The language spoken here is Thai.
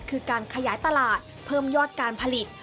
คือการขยายตลาดเพิ่มยอดการผลิต